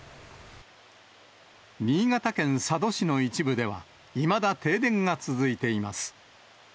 新潟県佐渡市の一部では、いまだ停電が続いています。